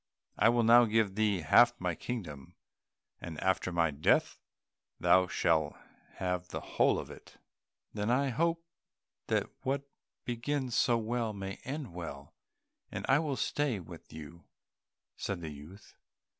I will now give thee half my kingdom, and after my death thou shalt have the whole of it." "Then I hope that what begins so well may end well, and I will stay with you," said the youth.